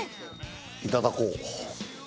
いただこう。